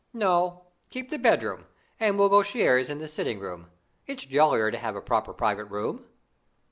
No, keep the bedroom, and we'll go shares in this sitting room. It's jollier to have a proper private room."